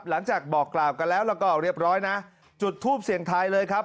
หลังจากบอกกล่าวกันแล้วแล้วก็เรียบร้อยนะจุดทูปเสียงไทยเลยครับ